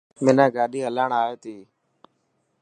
منان گاڏي هلائڻ آي ٿي.